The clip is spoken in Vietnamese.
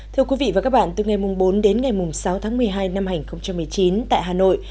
thưa quý vị và các bạn từ ngày bốn đến ngày sáu tháng một mươi hai năm hai nghìn một mươi chín tại hà nội